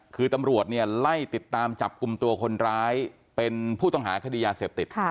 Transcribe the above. คนตัวคนร้ายเป็นผู้ต้องหาคฎียาเสพติด